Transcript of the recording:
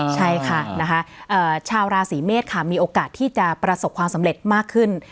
ใช่ค่ะนะคะชาวราศีเมษค่ะมีโอกาสที่จะประสบความสำเร็จมากขึ้น